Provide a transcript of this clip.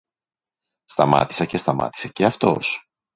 Σταμάτησα και σταμάτησε και αυτός